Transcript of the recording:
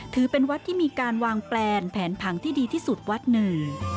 ถือเป็นวัดที่มีการวางแปลนแผนผังที่ดีที่สุดวัดหนึ่ง